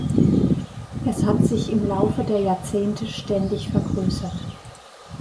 Es hat sich im Laufe der Jahrzehnte ständig vergrößert.